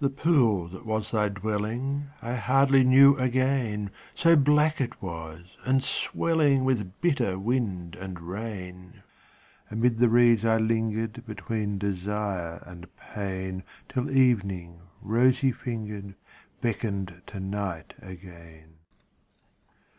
The pool that was thy dwelling I hardly knew again, So black it was, and swelling With bitter wind and rain. 39 NARCISSUS Amid the reeds I lingered Between desire and pain Till evening, rosy fingered, Beckoned to night again.